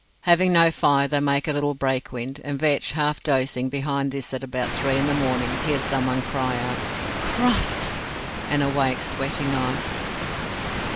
Having no fire, they make a little breakwind; and Vetch, half dozing behind this at about three in the morning, hears someone cry out "Christ!" and awakes, sweating ice.